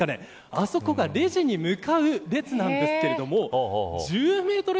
あそこがレジに向かう列なんですが１０メートル